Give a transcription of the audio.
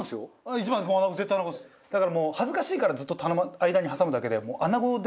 だからもう恥ずかしいから間に挟むだけで。